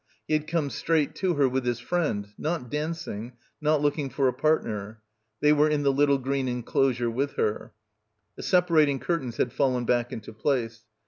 He had come straight to her with his friend, not dancing, not looking for a partner. They were in the little green en closure with her. The separating curtains had fallen back into place.